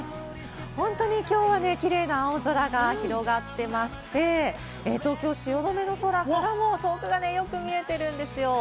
本当に今日はね、キレイな青空が広がっていまして、東京・汐留の空も遠くがよく見えてるんですよ。